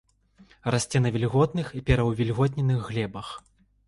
Расце на вільготных і пераўвільготненых глебах.